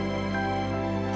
kami percaya sama kakak